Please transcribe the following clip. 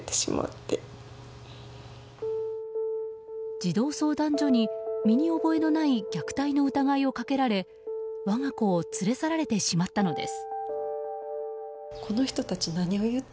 児童相談所に、身に覚えのない虐待の疑いをかけられ我が子を連れ去られてしまったのです。